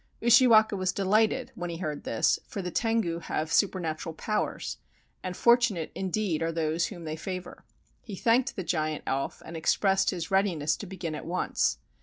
Ushiwaka was delighted when he heard this, for the Tengu have supernatural powers, and fortunate, in deed, are those whom they favor. He thanked the giant elf and expressed his readiness to begin at once.